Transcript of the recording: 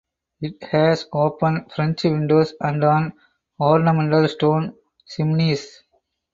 It has open French windows and an ornamental stone chimneys.